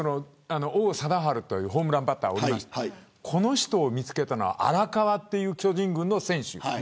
王貞治というホームランバッターがいますがこの人を見つけたのは荒川という巨人軍の選手です。